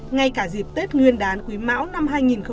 ngay cả dịp tết nguyên đán quý mão năm hai nghìn hai mươi